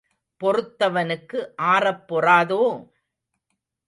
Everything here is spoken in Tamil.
பொறுத்தவனுக்கு ஆறப் பொறாதோ?